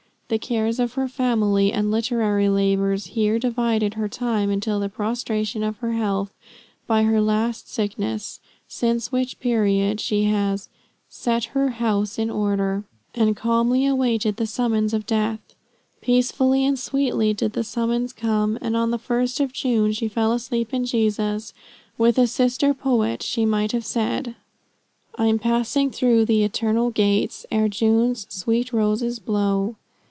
The cares of her family, and literary labors, here divided her time until the prostration of her health by her last sickness, since which period she has "set her house in order," and calmly awaited the summons of death. Peacefully and sweetly did the summons come, and on the first of June she fell asleep in Jesus. With a sister poet she might have said "I'm passing through the eternal gates, Ere June's sweet roses blow."